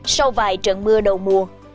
sau vài trận mưa đầu mùa